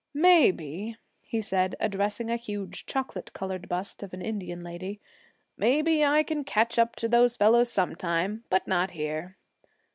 'Maybe,' he said, addressing a huge chocolate colored bust of an Indian lady, 'maybe I can catch up to those fellows some time but not here.